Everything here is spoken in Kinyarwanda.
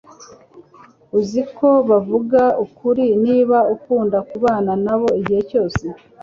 Uzi ko bavuga ukuri niba ukunda kubana nabo igihe cyose. ”